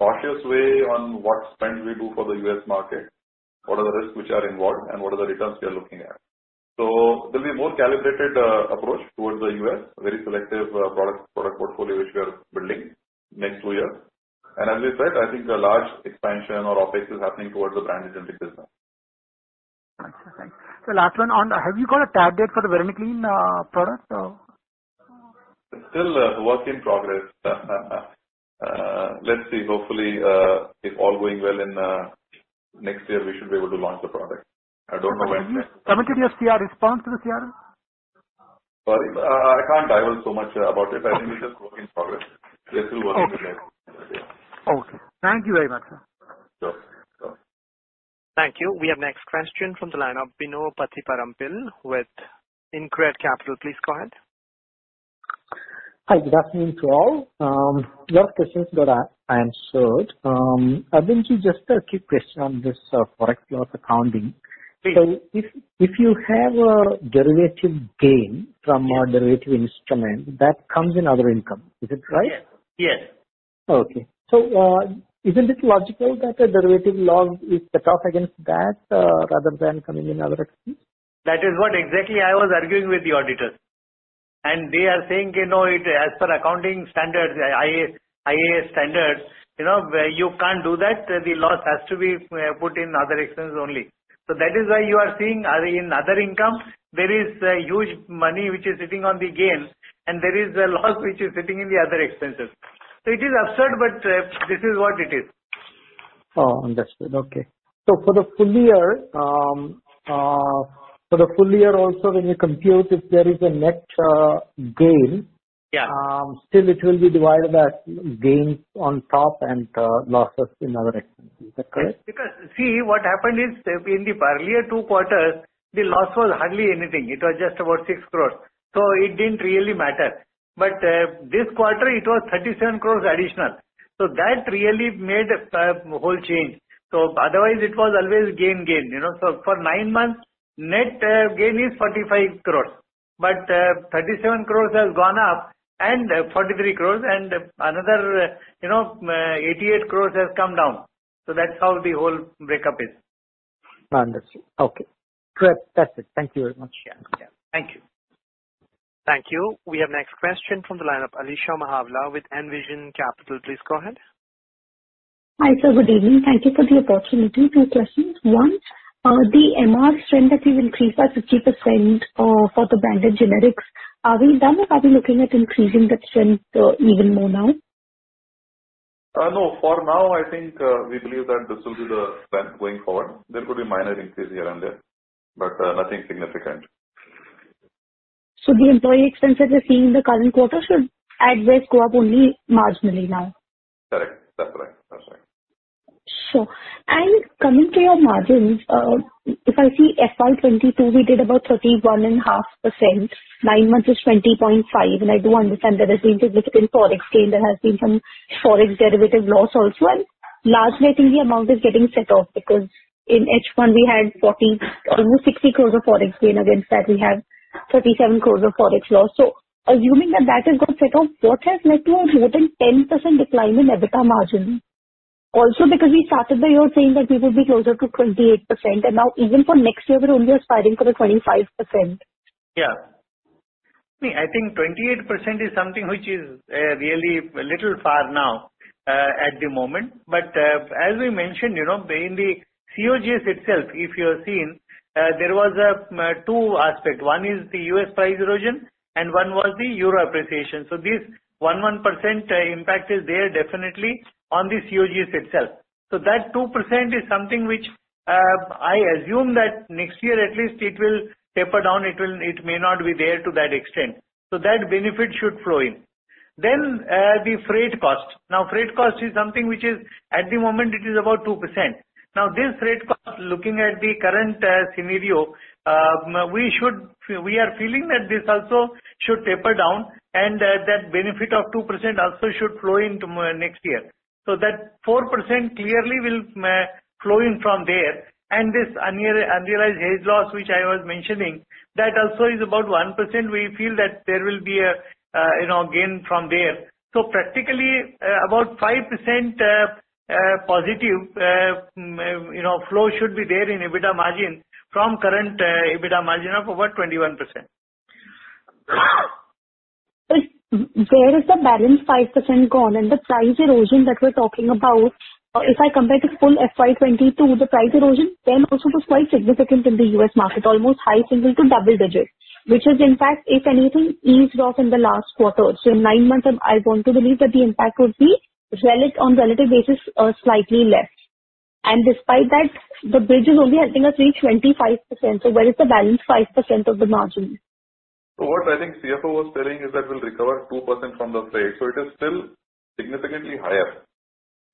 cautious way on what spend we do for the US market, what are the risks which are involved, and what are the returns we are looking at. There'll be a more calibrated approach towards the U.S., very selective product portfolio which we are building next 2 years. As we said, I think the large expansion or OpEx is happening towards the Branded Generics business. Thanks. Last one on, have you got a target for the Vermiclean product? It's still work in progress. Let's see. Hopefully, if all going well in next year, we should be able to launch the product. I don't know when- Have you submitted your CR response to the CRL? Sorry, I can't divulge so much about it. I think it's a work in progress. We are still working with. Okay. Okay. Thank you very much, sir. Sure, sure. Thank you. We have next question from the line of Vinod Pathiparampil with InCred Capital. Please go ahead. Hi, good afternoon to all. Last questions got answered. Abhin, just a quick question on this foreign loss accounting. Please. If you have a derivative gain from a derivative instrument that comes in other income, is it right? Yes. Yes. Isn't it logical that a derivative loss is set off against that, rather than coming in other expenses? That is what exactly I was arguing with the auditors. They are saying, you know, it as per accounting standards, IAS standards, you know, you can't do that. The loss has to be put in other expenses only. That is why you are seeing in other income there is huge money which is sitting on the gains and there is a loss which is sitting in the other expenses. It is absurd, but, this is what it is. Oh, understood. Okay. For the full year, for the full year also when you compute if there is a net, gain- Yeah. still it will be divided by gains on top and losses in other expenses. Is that correct? Yes. See, what happened is that in the earlier 2 quarters, the loss was hardly anything. It was just about 6 crores. It didn't really matter. This quarter it was 37 crores additional. That really made a whole change. Otherwise it was always gain. You know, for 9 months, net gain is 45 crores. 37 crores has gone up and 43 crores and another, you know, 88 crores has come down. That's how the whole breakup is. Understood. Okay. Good. That's it. Thank you very much. Yeah. Yeah. Thank you. Thank you. We have next question from the line of Alisha Mahawla with Envision Capital. Please go ahead. Hi, sir. Good evening. Thank you for the opportunity. Two questions. One, the MR strength that you've increased by 50% for the Branded Generics, are we done or are we looking at increasing that strength even more now? No. For now, I think, we believe that this will be the trend going forward. There could be minor increase here and there, but nothing significant. The employee expenses we're seeing in the current quarter should at best go up only marginally now. Correct. That's right. That's right. Sure. Coming to your margins, if I see FY 2022, we did about 31.5%. 9 months is 20.5%. I do understand that there's been significant Forex gain. There has been some Forex derivative loss also. Largely, I think the amount is getting set off because in H1 we had 40, almost 60 crore of Forex gain. Against that we have 37 crore of Forex loss. Assuming that that has got set off, what has led to a more than 10% decline in EBITDA margin? Because we started the year saying that we will be closer to 28%, and now even for next year we're only aspiring for a 25%. Yeah. I think 28% is something which is really a little far now at the moment. As we mentioned, you know, mainly COGS itself, if you have seen, there was 2 aspect. One is the US price erosion and one was the Euro appreciation. This 1% impact is there definitely on the COGS itself. That 2% is something which I assume that next year at least it will taper down. It may not be there to that extent. That benefit should flow in. The freight cost. Freight cost is something which is, at the moment it is about 2%. This freight cost, looking at the current scenario, we should... We are feeling that this also should taper down and that benefit of 2% also should flow into next year. That 4% clearly will flow in from there. This unrealized hedge loss which I was mentioning, that also is about 1%. We feel that there will be a, you know, gain from there. Practically, about 5%, positive, you know, flow should be there in EBITDA margin from current EBITDA margin of about 21%. Where has the balance 5% gone? The price erosion that we're talking about, if I compare to full FY 2022, the price erosion then also was quite significant in the US market, almost high single- to double-digits, which has in fact if anything eased off in the last quarter. In 9 months, I want to believe that the impact would be relic on relative basis, slightly less. Despite that, the bridge is only, I think, a 325%. Where is the balance 5% of the margin? What I think CFO was telling is that we'll recover 2% from the freight. It is still significantly higher.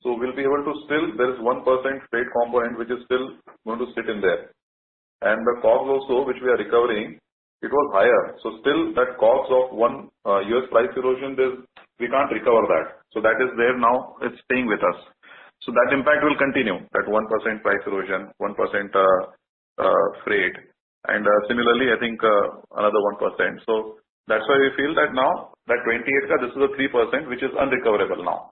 We'll be able to still, there is 1% freight component which is still going to sit in there. The cost also which we are recovering, it was higher. Still that cost of 1 U.S. price erosion is we can't recover that. That is there now. It's staying with us. That impact will continue, that 1% price erosion, 1% freight. Similarly, I think, another 1%. That's why we feel that now that 28 this is a 3% which is unrecoverable now.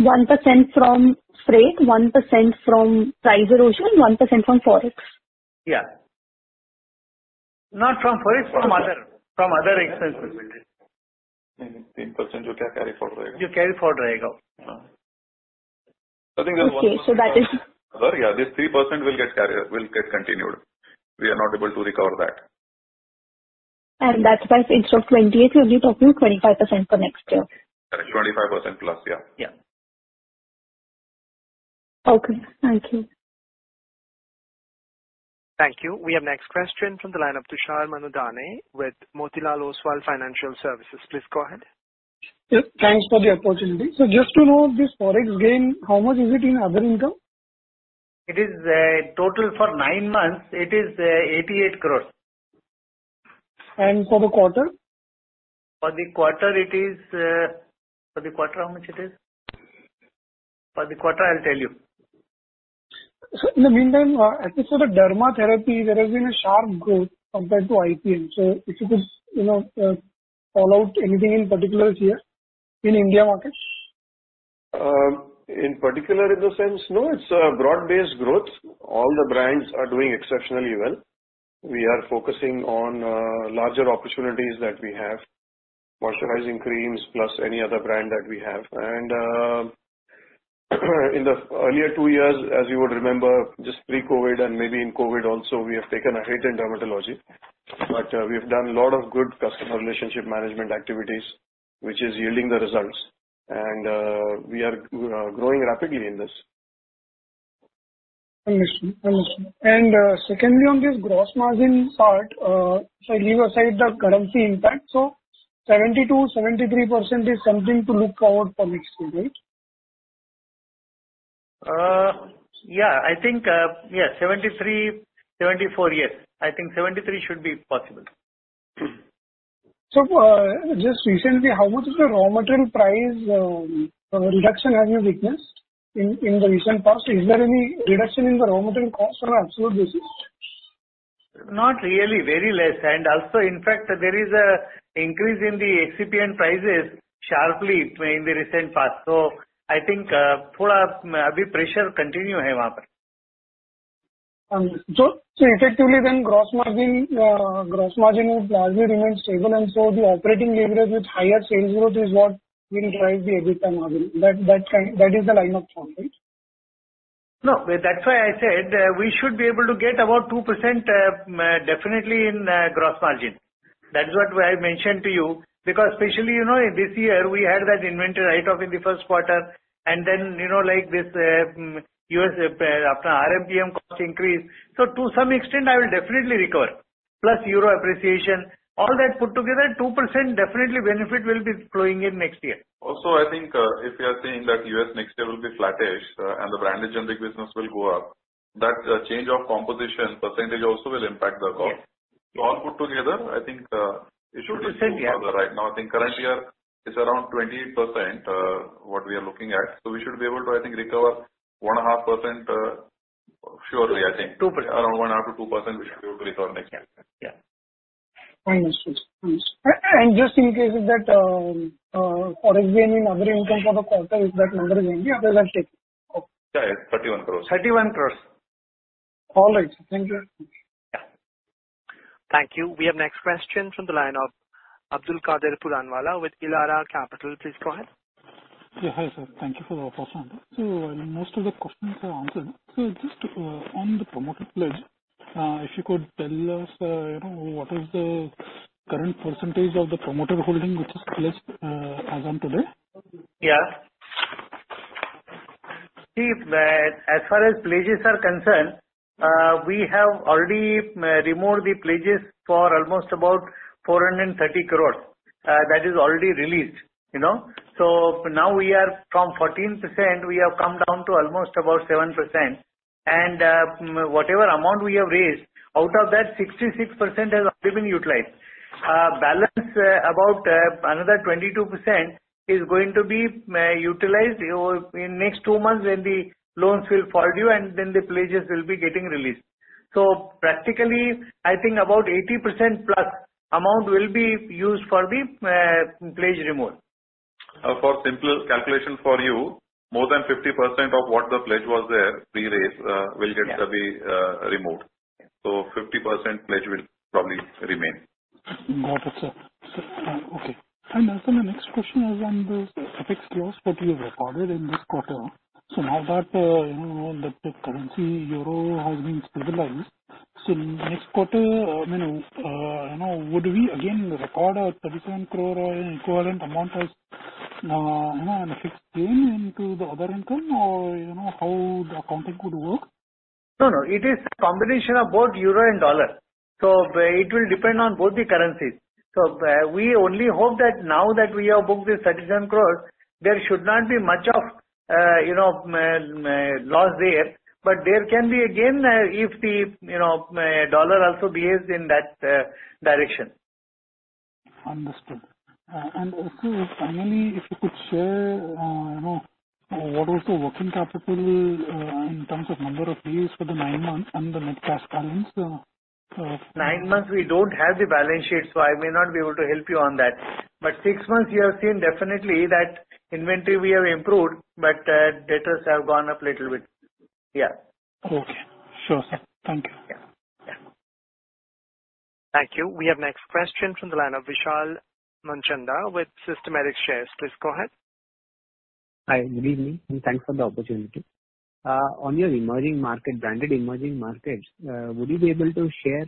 1% from freight, 1% from price erosion, 1% from Forex. Yeah. Not from Forex, from other, from other expenses. Yeah. Okay. Yeah. This 3% will get carried, will get continued. We are not able to recover that. That's why instead of 28%, we'll be talking 25% for next year. Correct. 25% plus. Yeah. Yeah. Okay. Thank you. Thank you. We have next question from the line of Tushar Manudane with Motilal Oswal Financial Services. Please go ahead. Thanks for the opportunity. Just to know this Forex gain, how much is it in other income? It is, total for 9 months, it is, 88 crores. For the quarter? For the quarter, how much it is? For the quarter, I'll tell you. In the meantime, I think for the derma therapy, there has been a sharp growth compared to IPM. If you could, you know, call out anything in particular here in India market? In particular in the sense, no, it's a broad-based growth. All the brands are doing exceptionally well. We are focusing on larger opportunities that we have. Moisturizing creams plus any other brand that we have. In the earlier 2 years, as you would remember, just pre-COVID and maybe in COVID also, we have taken a hit in dermatology. We have done a lot of good customer relationship management activities, which is yielding the results. We are growing rapidly in this. Understood. Secondly on this gross margin part, if I leave aside the currency impact, so 70%-73% is something to look out for next year, right? Yeah. I think, yeah, 73, 74, yes. I think 73 should be possible. Just recently, how much of the raw material price reduction have you witnessed in the recent past? Is there any reduction in the raw material cost on an absolute basis? Not really, very less. In fact, there is a increase in the excipient prices sharply in the recent past. I think, pressure continue. Effectively then gross margin will largely remain stable, the operating leverage with higher sales growth is what will drive the EBITDA margin. That is the line of thought, right? No. That's why I said, we should be able to get about 2%, definitely in gross margin. That's what I mentioned to you. Because especially, you know, in this year, we had that inventory write-off in the first quarter. You know, like this, U.S. RPM cost increase. To some extent, I will definitely recover. Plus euro appreciation. All that put together, 2% definitely benefit will be flowing in next year. Also, I think, if we are saying that U.S. next year will be flattish, and the Branded Generics business will go up, that change of composition % also will impact the growth. Yes. All put together, I think, it should be. It's safe, yeah. right now. I think currently we are, it's around 20%, what we are looking at. We should be able to, I think, recover 1.5%, surely, I think. 2%. Around 1.5%-2% we should be able to recover next year. Yeah. Understood. Understood. Just in case of that, for SBN in other income for the quarter, is that number available, I take? Yeah, yeah. 31 crores. 31 crores. All right. Thank you. Yeah. Thank you. We have next question from the line of Abdulkader Puranwala with Elara Capital. Please go ahead. Yeah, hi, sir. Thank you for the opportunity. Most of the questions are answered. Just on the promoter pledge, if you could tell us, you know, what is the current percentage of the promoter holding which is pledged as on today? Yeah. See, as far as pledges are concerned, we have already removed the pledges for almost about 430 crores. That is already released, you know. Now we are from 14%, we have come down to almost about 7%. Whatever amount we have raised, out of that, 66% has already been utilized. Balance, about another 22% is going to be utilized over in next 2 months when the loans will fall due, and then the pledges will be getting released. Practically, I think about 80%+ amount will be used for the pledge remove. For simple calculation for you, more than 50% of what the pledge was there pre-raise, will get to be removed. 50% pledge will probably remain. Got it, sir. Okay. Also my next question is on this FX loss that you recorded in this quarter. Now that, you know, the currency EUR has been stabilized, so next quarter, I mean, you know, would we again record a 37 crore or equivalent amount as, you know, a fixed gain into the other income or, you know, how the accounting could work? No, no. It is combination of both euro and dollar. It will depend on both the currencies. We only hope that now that we have booked this INR 37 crores, there should not be much of, you know, loss there. There can be again, if the, you know, dollar also behaves in that direction. Understood. Also finally, if you could share, you know, what was the working capital, in terms of number of days for the nine months and the net cash balance? Nine months we don't have the balance sheet, so I may not be able to help you on that. six months you have seen definitely that inventory we have improved, but debtors have gone up little bit. Yeah. Okay. Sure, sir. Thank you. Yeah. Yeah. Thank you. We have next question from the line of Vishal Manchanda with Systematix Shares. Please go ahead. Hi. Good evening, and thanks for the opportunity. On your emerging market, branded emerging markets, would you be able to share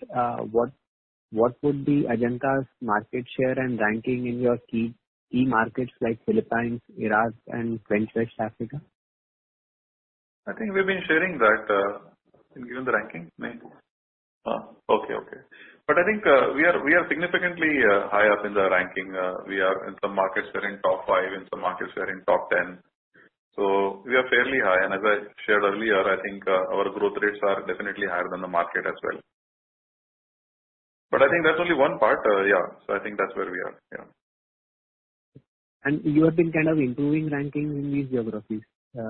what would be Ajanta's market share and ranking in your key markets like Philippines, Iraq, and French West Africa? I think we've been sharing that. Have we given the ranking? Nein. Huh? Okay. Okay. I think, we are significantly, high up in the ranking. We are in some markets, we're in top five. In some markets, we are in top 10. We are fairly high. As I shared earlier, I think, our growth rates are definitely higher than the market as well. I think that's only one part. Yeah. I think that's where we are. Yeah. You have been kind of improving ranking in these geographies. Yes.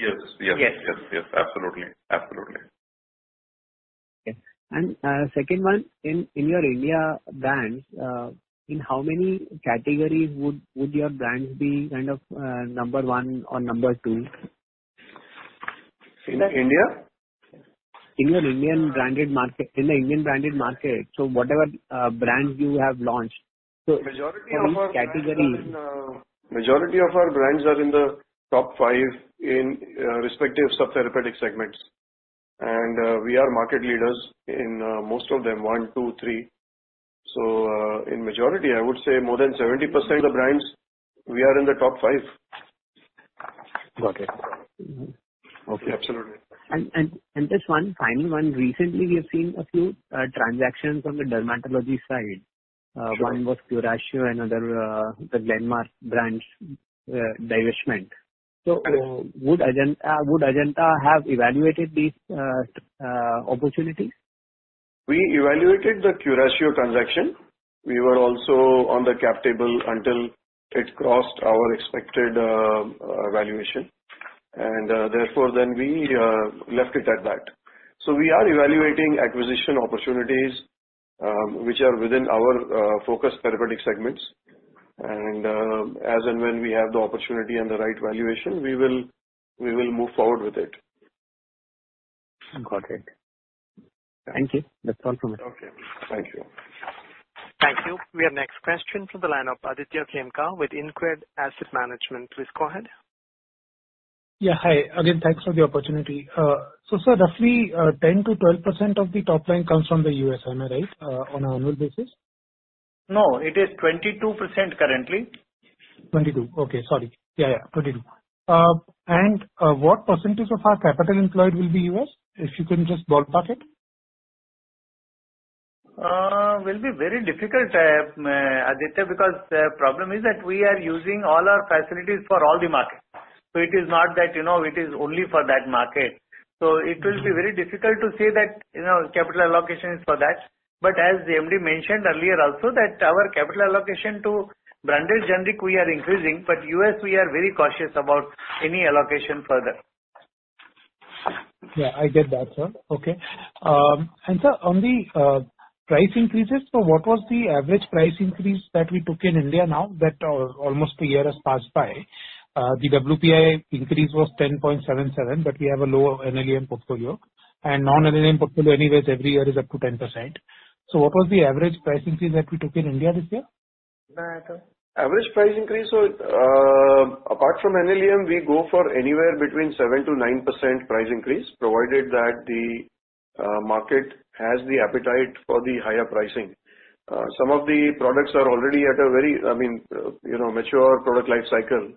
Yes. Yes. Yes. Yes. Absolutely. Absolutely. Okay. second one, in your India brands, in how many categories would your brands be kind of, number one or number two? In India? In your Indian branded market, in the Indian branded market, whatever brands you have launched. For each category. Majority of our brands are in the top five in respective sub-therapeutic segments. We are market leaders in most of them, 1, 2, 3. In majority, I would say more than 70% of the brands, we are in the top five. Got it. Mm-hmm. Okay. Absolutely. Just one final one. Recently we have seen a few transactions on the dermatology side. Sure. One was Curatio, another, the Glenmark branch, divestment. Would Ajanta Pharma have evaluated these, opportunities? We evaluated the Curatio transaction. We were also on the cap table until it crossed our expected valuation and, therefore, then we left it at that. We are evaluating acquisition opportunities, which are within our focus therapeutic segments and, as and when we have the opportunity and the right valuation, we will move forward with it. Got it. Thank you. That's all from me. Okay. Thank you. Thank you. We have next question from the line of Aditya Khemka with InCred Asset Management. Please go ahead. Yeah, hi. Again, thanks for the opportunity. sir, roughly, 10%-12% of the top line comes from the US, am I right, on an annual basis? No, it is 22% currently. 22. Okay. Sorry. Yeah, yeah. 22. What % of our capital employed will be U.S., if you can just ballpark it? Will be very difficult, Aditya, because the problem is that we are using all our facilities for all the markets. It is not that, you know, it is only for that market. It will be very difficult to say that, you know, capital allocation is for that. As the MD mentioned earlier also that our capital allocation to Branded Generics we are increasing, but U.S. we are very cautious about any allocation further. Yeah, I get that, sir. Okay. Sir, on the price increases, what was the average price increase that we took in India now that almost a year has passed by? The WPI increase was 10.77, but we have a lower NLEM portfolio. Non-NLEM portfolio anyways every year is up to 10%. What was the average price increase that we took in India this year? Average price increase was, apart from NLEM, we go for anywhere between 7%-9% price increase, provided that the market has the appetite for the higher pricing. Some of the products are already at a very, I mean, you know, mature product life cycle.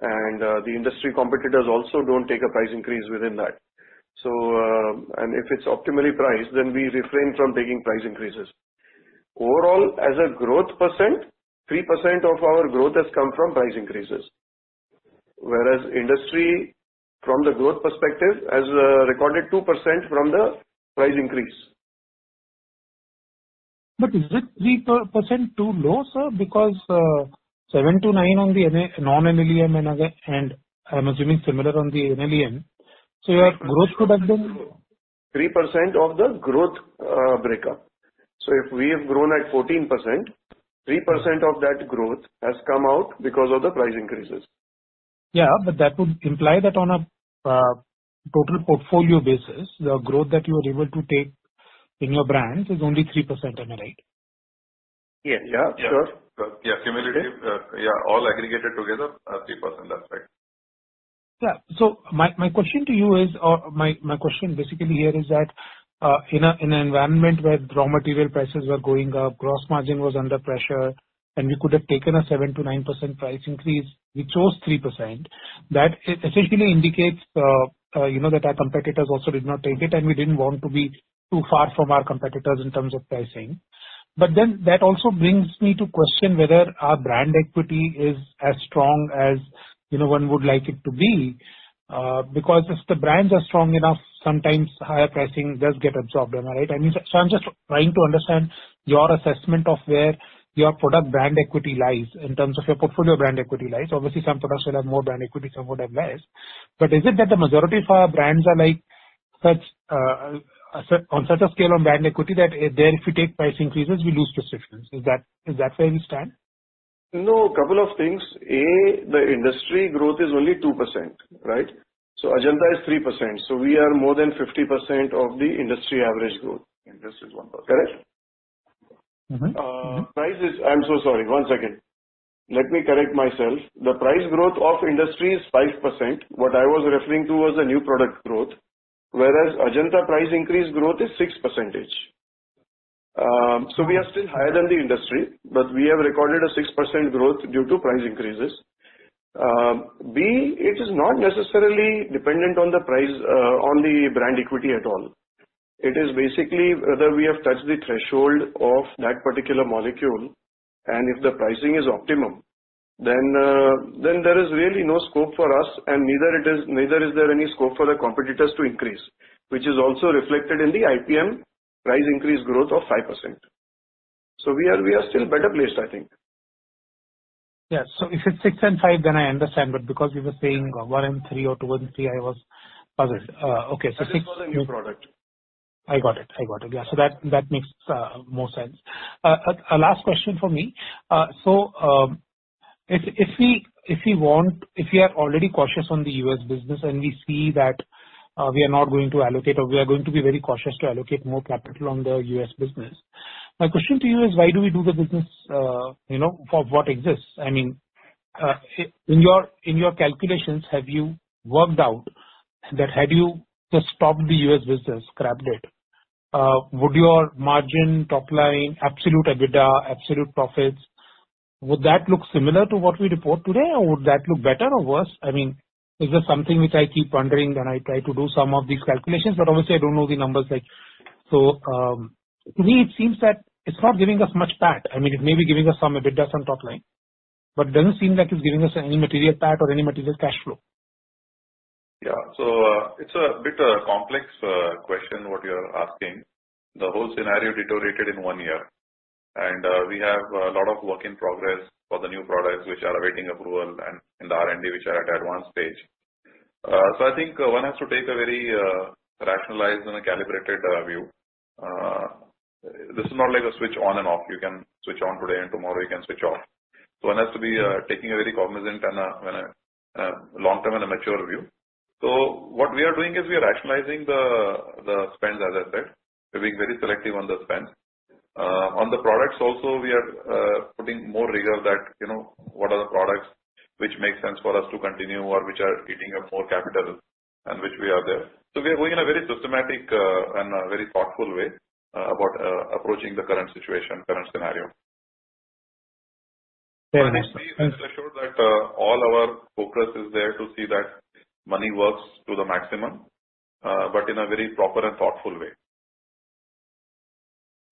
The industry competitors also don't take a price increase within that. And if it's optimally priced, then we refrain from taking price increases. Overall, as a growth percent, 3% of our growth has come from price increases. Whereas industry, from the growth perspective, has recorded 2% from the price increase. Is it 3% too low, sir? Because 7-9 on the non-NLEM and I'm assuming similar on the NLEM. Your growth could have been- 3% of the growth, breakup. If we have grown at 14%, 3% of that growth has come out because of the price increases. Yeah, that would imply that on a total portfolio basis, the growth that you were able to take in your brands is only 3% am I right? Yeah. Sure. Yeah. yeah. Okay. Yeah. All aggregated together, 3%. That's right. Yeah. My question to you is... Or my question basically here is that, in an environment where raw material prices were going up, gross margin was under pressure, and you could have taken a 7%-9% price increase, you chose 3%. That essentially indicates, you know, that our competitors also did not take it, and we didn't want to be too far from our competitors in terms of pricing. That also brings me to question whether our brand equity is as strong as, you know, one would like it to be. Because if the brands are strong enough, sometimes higher pricing does get absorbed. Am I right? I mean, I'm just trying to understand your assessment of where your product brand equity lies in terms of your portfolio brand equity lies. Obviously, some products will have more brand equity, some would have less. Is it that the majority of our brands are like such, on such a scale of brand equity that, there if we take price increases, we lose prescriptions? Is that where we stand? No. A couple of things. A, the industry growth is only 2%, right? Ajanta is 3%. We are more than 50% of the industry average growth. Industry is 1%. Correct. Mm-hmm. Mm-hmm. I'm so sorry. One second. Let me correct myself. The price growth of industry is 5%. What I was referring to was the new product growth, whereas Ajanta price increase growth is 6%. So we are still higher than the industry, but we have recorded a 6% growth due to price increases. B, it is not necessarily dependent on the price, on the brand equity at all. It is basically whether we have touched the threshold of that particular molecule and if the pricing is optimum, then there is really no scope for us and neither is there any scope for the competitors to increase, which is also reflected in the IPM price increase growth of 5%. So we are, we are still better placed, I think. Yeah. if it's 6 and 5, then I understand. because you were saying 1 in 3 or 2 in 3, I was puzzled. okay. 6- That is for the new product. I got it. Yeah. That makes more sense. A last question from me. If we are already cautious on the US business and we see that we are not going to allocate or we are going to be very cautious to allocate more capital on the US business, my question to you is why do we do the business, you know, for what exists? I mean, in your calculations, have you worked out that had you just stopped the US business, scrapped it, would your margin top line absolute EBITDA, absolute profits, would that look similar to what we report today or would that look better or worse? I mean, is there something which I keep wondering and I try to do some of these calculations, but obviously I don't know the numbers like... To me it seems that it's not giving us much PAT. I mean, it may be giving us some EBITDA on top line, but it doesn't seem like it's giving us any material PAT or any material cash flow. Yeah. It's a bit a complex question what you're asking. The whole scenario deteriorated in one year, we have a lot of work in progress for the new products which are awaiting approval and in the R&D which are at advanced stage. I think one has to take a very rationalized and a calibrated view. This is not like a switch on and off. You can switch on today and tomorrow you can switch off. One has to be taking a very cognizant and a long-term and a mature view. What we are doing is we are rationalizing the spend, as I said. We're being very selective on the spend. on the products also we are putting more rigor that, you know, what are the products which make sense for us to continue or which are eating up more capital and which we are there. we're going a very systematic and a very thoughtful way about approaching the current situation, current scenario. Yeah. Please be assured that, all our focus is there to see that money works to the maximum, but in a very proper and thoughtful way.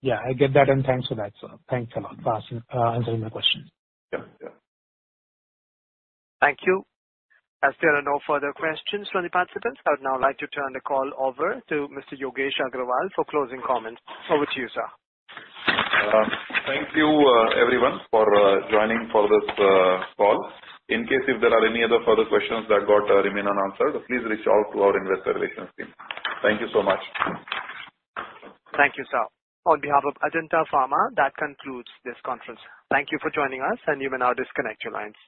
Yeah, I get that, and thanks for that, sir. Thanks a lot for answering my question. Yeah. Yeah. Thank you. As there are no further questions from the participants, I would now like to turn the call over to Mr. Yogesh Agrawal for closing comments. Over to you, sir. Thank you everyone for joining for this call. In case if there are any other further questions that got remain unanswered, please reach out to our investor relations team. Thank you so much. Thank you, sir. On behalf of Ajanta Pharma, that concludes this conference. Thank you for joining us, and you may now disconnect your lines.